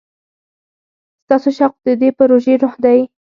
ستاسو شوق د دې پروژې روح دی.